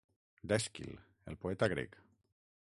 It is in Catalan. D'Èsquil, el poeta grec.